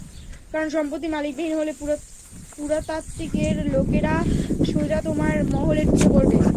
কারণ সম্পত্তি মালিকবিহীন হলে, পুরাতাত্ত্বিক এর লোকেরা সোজা, তোমার মহলে ঢুকে পড়বে।